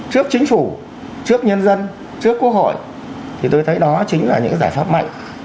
trước chính phủ trước nhân dân trước quốc hội thì tôi thấy đó chính là những giải pháp mạnh